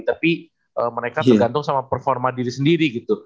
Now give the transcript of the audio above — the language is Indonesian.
tapi mereka tergantung sama performa diri sendiri gitu